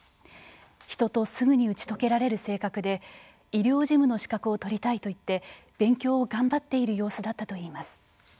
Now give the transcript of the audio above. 人とすぐに打ち解けられる性格で医療事務の資格を取りたいといって勉強を頑張っている様子だったといいます。